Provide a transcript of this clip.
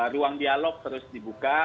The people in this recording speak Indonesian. ruang dialog terus dibuka